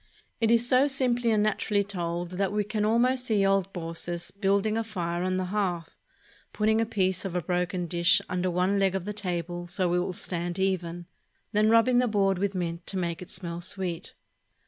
It is so simply and naturally told that we can almost see old Baucis building a fire on the hearth, putting a piece of a broken dish under one leg of the table so it will stand even, then rubbing the board with mint to make it smell sweet.